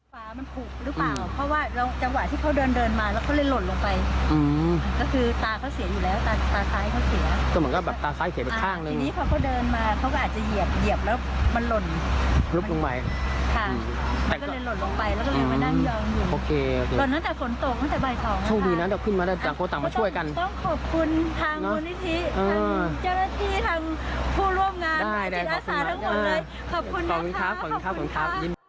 มันผูกหรือเปล่าเพราะว่าจังหวะที่เขาเดินเดินมาแล้วเขาเลยหล่นลงไปอืมก็คือตาเขาเสียอยู่แล้วตาตาซ้ายเขาเสียก็เหมือนกับตาซ้ายเสียไปข้างหนึ่งทีนี้เขาก็เดินมาเขาก็อาจจะเหยียบเหยียบแล้วมันหล่นลบลงไปค่ะแล้วก็เลยหล่นลงไปแล้วก็เลยไปดั่งยอมอยู่โอเคโอเคหล่นตั้งแต่ฝนตกตั้งแต่บ่ายสองนะครับโชคดีนะเดี